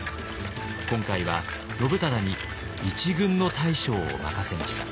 今回は信忠に一軍の大将を任せました。